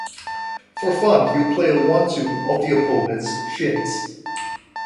For fun he'd play a one-two off the opponent's shins.